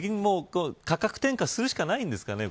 価格転嫁するしかないんですかね。